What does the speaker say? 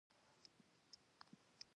د بار کچرو تر یوه اوږد قطار راتېر شوو.